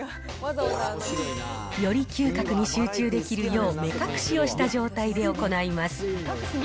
より嗅覚に集中できるよう、目隠しをした状態で行います。